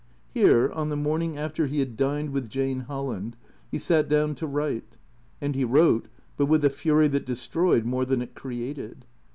Here, on the morning after he had dined with Jane Holland, he sat down to write. And he wrote, but with a fury that de stroyed more than it created.